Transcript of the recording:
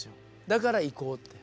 だから行こうって。